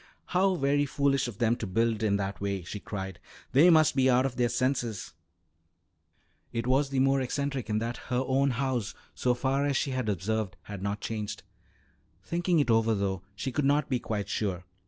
"How very foolish of them to build in that way!" she cried. "They must be out of their senses." It was the more eccentric in that her own house so far as she had observed had not changed; thinking it over, though, she could not be quite sure.